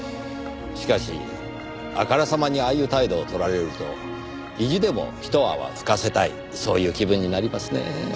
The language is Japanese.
しかしあからさまにああいう態度を取られると意地でも一泡吹かせたいそういう気分になりますねぇ。